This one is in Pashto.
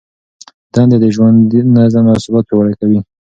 دندې د ژوند نظم او ثبات پیاوړی کوي.